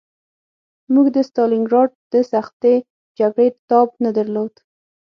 موږ د ستالینګراډ د سختې جګړې تاب نه درلود